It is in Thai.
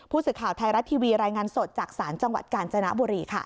ผู้สื่อข่าวไทยรัฐทีวีรายงานสดจากศาลจังหวัดกาญจนบุรีค่ะ